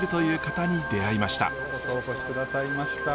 ようこそお越しくださいました。